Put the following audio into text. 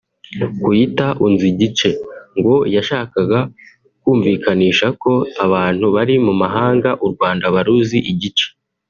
Kuyita “Unzi Igice” ngo yashakaga kumvikanisha ko abantu bari mu mahanga u Rwanda baruzi igice